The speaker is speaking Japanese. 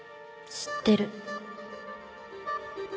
知ってる。